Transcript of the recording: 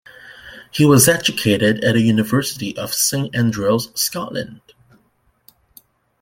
He was educated at the University of Saint Andrews, Scotland.